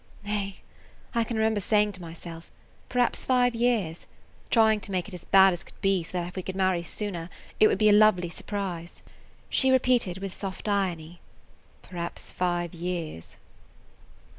Eh! I can remember saying to myself, 'Perhaps five years,' trying to make it as bad as could be so that if we could marry sooner it would be a lovely surprise." She repeated with soft irony, "Perhaps five years!"